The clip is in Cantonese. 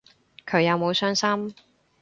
佢有冇傷心